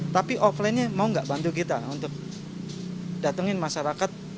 tapi offline nya mau gak bantu kita untuk datengin masyarakat